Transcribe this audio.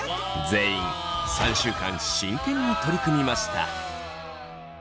全員３週間真剣に取り組みました。